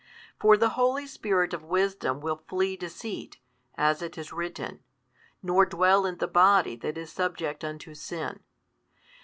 For the Holy Spirit of wisdom will flee deceit, as it is written, nor dwell in the body that is subject unto sin.